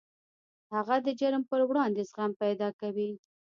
هغه د جرم پر وړاندې زغم پیدا کوي